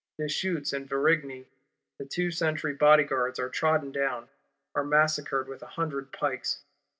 Deshuttes and Varigny, the two sentry Bodyguards, are trodden down, are massacred with a hundred pikes.